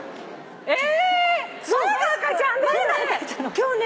今日ね